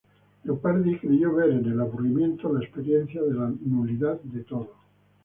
Leopardi creyó ver en el aburrimiento la experiencia de la nulidad de todo.